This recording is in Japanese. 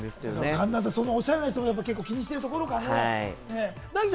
寒暖差、おしゃれな人が気にしてるところかな。